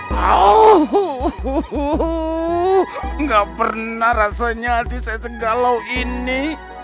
pasti tidak pernah rasanya hati saya segala ini